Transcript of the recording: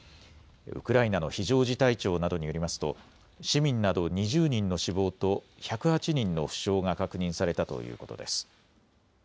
ウクライナの非常事態庁などによりますと市民など２０人の死亡と１０８人の負傷が確認されたということです。